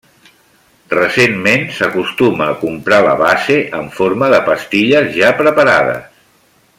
Recentment, s'acostuma a comprar la base en forma de pastilles ja preparades.